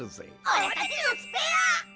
おらたちのスペア！